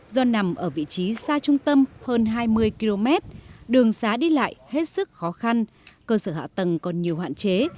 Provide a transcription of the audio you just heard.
do nằm ở vị trí xa trung tâm hơn hai mươi km đường xá đi lại hết sức khó khăn cơ sở hạ tầng còn nhiều hạn chế